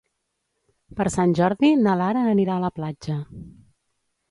Per Sant Jordi na Lara anirà a la platja.